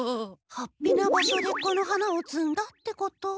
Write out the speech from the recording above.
はっぴな場所でこの花をつんだってこと？